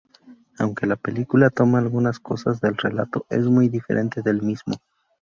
Aunque la película toma algunas cosas del relato, es muy diferente del mismo.